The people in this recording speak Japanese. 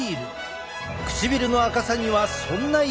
唇の赤さにはそんな意味合いも。